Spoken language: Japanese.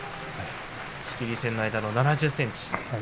仕切り線の間の７０ｃｍ。